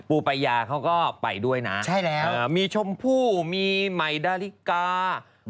ปูปายาเขาก็ไปด้วยนะมีชมพู่มีไหมดาลิกานะใช่แล้ว